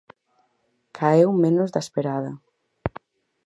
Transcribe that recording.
Caeu menos da esperada.